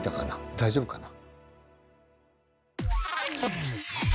大丈夫かな？